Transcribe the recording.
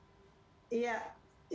dari demokrasi menjadi sangat mahal